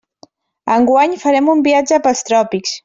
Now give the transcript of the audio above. Enguany farem un viatge pels tròpics.